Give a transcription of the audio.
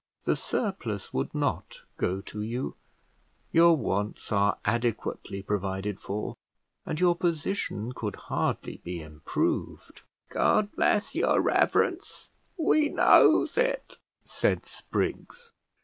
The surplus would not go to you; your wants are adequately provided for, and your position could hardly be improved." "God bless your reverence, we knows it," said Spriggs.